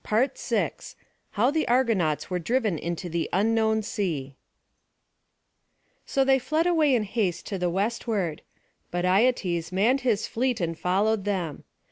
PART V How the Argonauts Were Driven into the Unknown Sea So they fled away in haste to the westward: but Aietes manned his fleet and followed them.